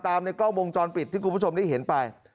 ในกล้องวงจรปิดที่คุณผู้ชมได้เห็นไป